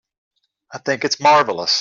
I think it's marvelous.